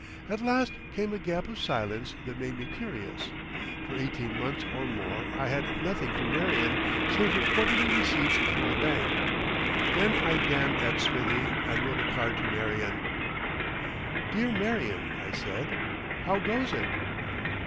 At last came a gap of silence that made me curious. For eighteen months or more I had nothing from Marion save her quarterly receipts through the bank. Then I damned at Smithie, and wrote a card to Marion. "Dear Marion," I said, "how goes it?"